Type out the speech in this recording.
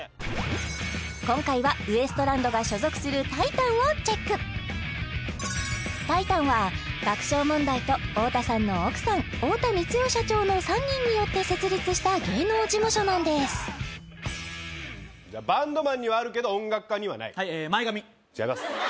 今回はウエストランドが所属するタイタンをチェックタイタンは爆笑問題と太田さんの奥さん太田光代社長の３人によって設立した芸能事務所なんですじゃあバンドマンにはあるけど音楽家にはないはいえー前髪違います